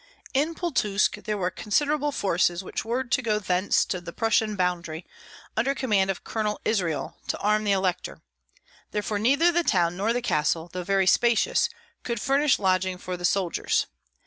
In Pultusk there were considerable forces which were to go thence to the Prussian boundary, under command of Colonel Israel, to alarm the elector; therefore neither the town nor the castle, though very spacious, could furnish lodging for the soldiers.